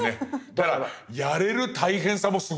だからやれる大変さもすごいけど。